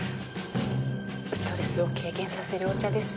ストレスを軽減させるお茶です。